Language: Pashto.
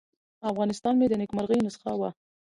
افغانستان مې د نیکمرغۍ نسخه وه.